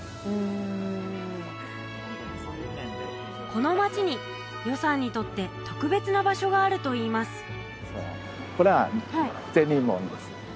この街に余さんにとって特別な場所があるといいます善隣門？